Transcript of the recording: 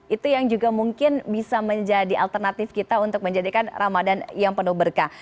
itu yang juga mungkin bisa menjadi alternatif kita untuk menjadikan ramadan yang penuh berkah